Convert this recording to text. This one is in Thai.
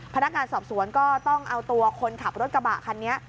พนักงานสอบสวนก็ต้องเอาตัวคนขับรถกระบะคันนี้